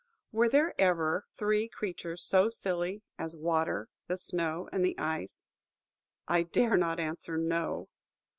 Were there ever three creatures so silly as the Water, the Snow, and the Ice? I dare not answer, No.